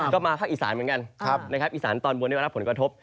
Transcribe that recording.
ก็มาภาคอีสานเหมือนกันนะครับอีสานตอนบนได้รับผลกระทบ